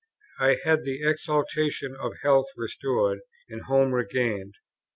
I had the exultation of health restored, and home regained.